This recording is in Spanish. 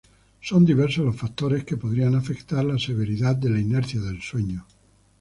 Son diversos los factores que podrían afectan la severidad de la inercia del sueño.